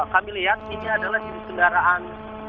kami lihat ini adalah jenis kendaraan